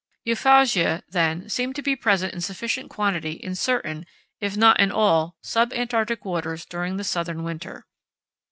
Euphausiæ, then, seem to be present in sufficient quantity in certain, if not in all, sub Antarctic waters during the southern winter.